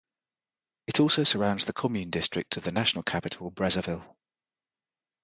It also surrounds the commune district of the national capital, Brazzaville.